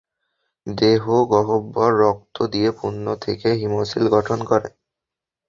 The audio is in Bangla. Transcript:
দেহ গহ্বর রক্ত দিয়ে পূর্ণ থেকে হিমোসিল গঠন করে।